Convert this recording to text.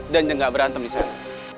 dan gak berantem disana